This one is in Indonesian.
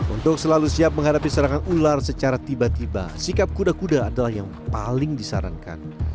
untuk selalu siap menghadapi serangan ular secara tiba tiba sikap kuda kuda adalah yang paling disarankan